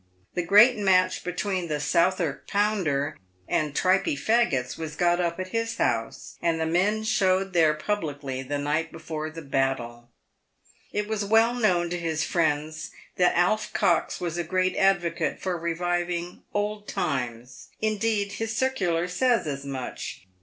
The great match between the Southwark Pounder and Tripey Paggits was got up at his house, and the men showed there publicly the night before the battle It was well known to his friends that Alf Cox was a great advocate for reviving " Old times" — indeed, his circular says as much.